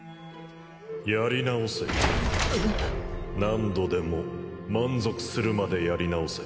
・何度でも満足するまでやり直せ。